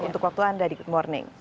untuk waktu anda di good morning